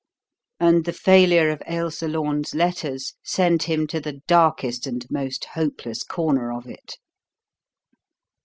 And the failure of Ailsa Lorne's letters sent him to the darkest and most hopeless corner of it.